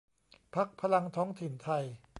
พรรคพลังท้องถิ่นไท